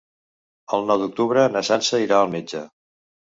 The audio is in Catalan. El nou d'octubre na Sança irà al metge.